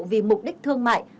vì mục đích thương mại